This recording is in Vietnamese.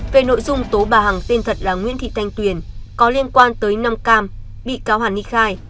về nội dung tố bà hằng tên thật là nguyễn thị thanh tuyền có liên quan tới năm cam bị cáo hàn ni khai